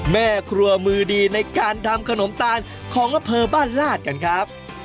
แม่ครัวมือดีในการทำขนมตาลของอำเภอบ้านลาดกันครับ